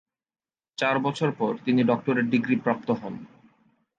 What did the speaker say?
চার বছর পর, তিনি ডক্টরেট ডিগ্রী প্রাপ্ত হন।